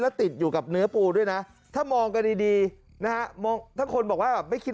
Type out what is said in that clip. ติดอยู่กับเนื้อปูด้วยนะถ้ามองกันดีนะฮะถ้าคนบอกว่าไม่คิด